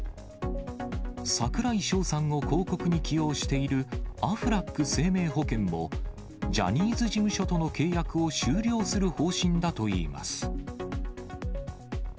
櫻井翔さんを広告に起用しているアフラック生命保険も、ジャニーズ事務所との契約を終了する方針だといいます。